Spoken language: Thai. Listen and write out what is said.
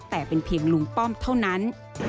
แต่เป็นเพียงลุงป้อมเท่านั้น